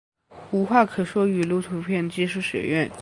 无话可说语录图片技术学院